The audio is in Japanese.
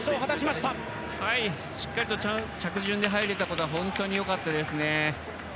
しっかり着順で入れたことは本当によかったです。